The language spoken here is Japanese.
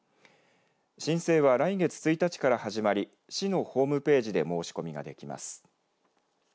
申請は、来月１日から始まり市のホームページで申し込みができます。